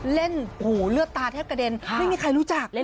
หูเลือดตาแทบกระเด็นไม่มีใครรู้จักเลย